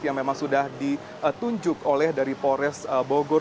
yang memang sudah ditunjuk oleh dari polres bogor